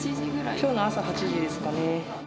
きょうの朝８時ですかね。